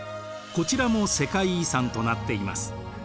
こちらも世界遺産となっています。